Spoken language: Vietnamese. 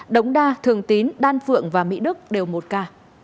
đống đa thường tín đan phượng và mỹ đức đều một ca